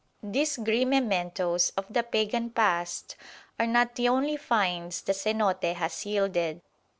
These grim mementoes of the pagan past are not the only "finds" the cenote has yielded.